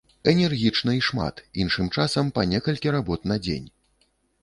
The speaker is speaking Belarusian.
Энергічна і шмат, іншым часам па некалькі работ на дзень.